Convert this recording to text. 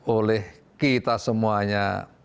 oleh kita semuanya